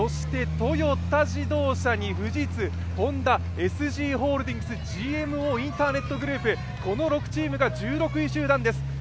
トヨタ自動車に富士通、Ｈｏｎｄａ、ＳＧホールディングス、ＧＭＯインターネットグループ、この６チームが１６位集団です。